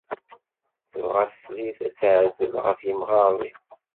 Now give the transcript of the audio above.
Tebɣa teslit ad teεzel ɣef yemɣaren-is.